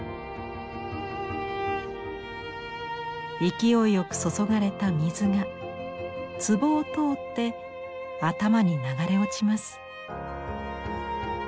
勢いよく注がれた水がつぼを通って頭に流れ落ちます。